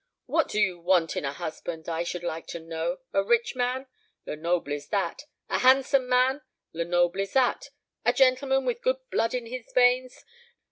What do you want in a husband, I should like to know? A rich man? Lenoble is that. A handsome man? Lenoble is that. A gentleman, with good blood in his veins?